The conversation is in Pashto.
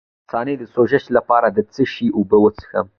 د مثانې د سوزش لپاره د څه شي اوبه وڅښم؟